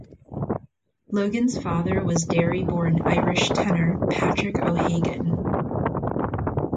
Logan's father was Derry-born Irish tenor Patrick O'Hagan.